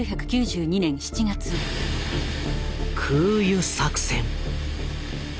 空輸作戦。